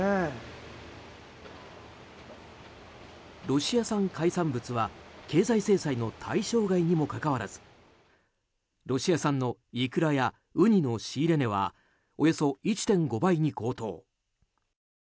ロシア産海産物は経済制裁の対象外にもかかわらずロシア産のイクラやウニの仕入れ値はおよそ１．５倍に高騰。